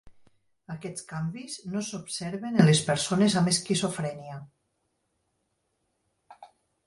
Aquests canvis no s'observen en les persones amb esquizofrènia.